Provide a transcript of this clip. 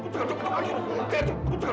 cukup cukup cukup